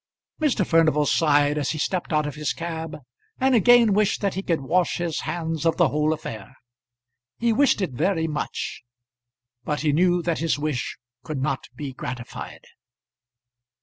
Mr. Furnival sighed as he stepped out of his cab, and again wished that he could wash his hands of the whole affair. He wished it very much; but he knew that his wish could not be gratified.